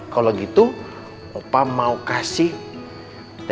kalau gitu opa mau kasih